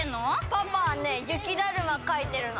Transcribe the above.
パパはねゆきだるまかいてるの。